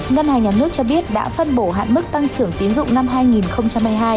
ngân hàng nhà nước cho biết đã phân bổ hạn mức tăng trưởng tiến dụng năm hai nghìn hai mươi hai